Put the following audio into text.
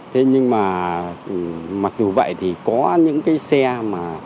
thế nhưng mà mặc dù vậy thì có những cái xe mà